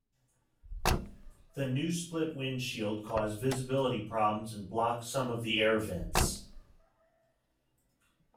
The new split windshield caused visibility problems and blocked some of the air vents.